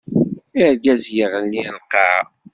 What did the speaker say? Argaz yeɣli ar lqaɛa.